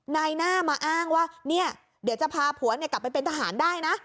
นายหน้ามาอ้างว่าเนี่ยเดี๋ยวจะพาผัวกลับไปเป็นทหารได้นะ